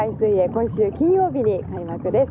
今週金曜日に開幕です。